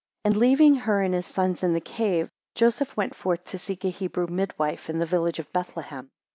AND leaving her and his sons in the cave, Joseph went forth to seek a Hebrew midwife in the village of Bethlehem.